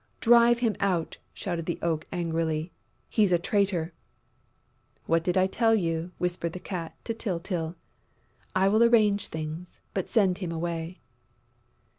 "Drive him out!" shouted the Oak, angrily. "He's a traitor!" "What did I tell you?" whispered the Cat to Tyltyl. "I will arrange things.... But send him away."